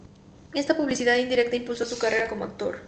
Esta publicidad indirecta impulsó su carrera como actor.